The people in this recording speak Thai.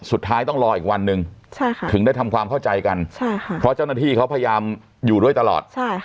สุดท้ายต้องรออีกวันหนึ่งถึงได้ทำความเข้าใจกันเพราะเจ้าหน้าที่เขาพยายามอยู่ด้วยตลอด